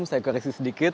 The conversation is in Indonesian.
saya koreksi sedikit